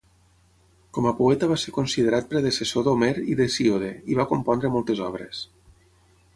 Com a poeta va ser considerat predecessor d'Homer i d'Hesíode, i va compondre moltes obres.